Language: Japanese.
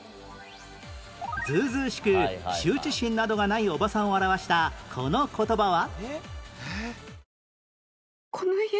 ずうずうしく羞恥心などがないおばさんを表したこの言葉は？